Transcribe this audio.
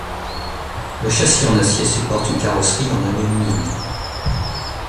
Le châssis en acier supporte une carrosserie en aluminium.